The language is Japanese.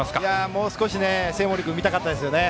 もう少し生盛君を見たかったですね。